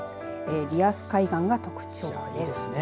リアス海岸が特徴ですね。